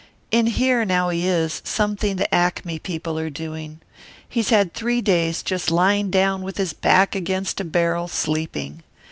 In here now he is something the Acme people are doing. He's had three days, just lying down with his back against a barrel sleeping.